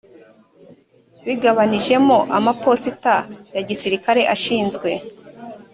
bigabanijemo amaposita ya gisirikare ashinzwe